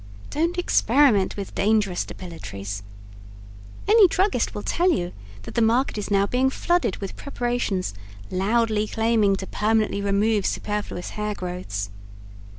Don't Experiment With Dangerous Depilatories Any druggist will tell you that the market is now being flooded with preparations loudly claiming to permanently remove superfluous hair growths.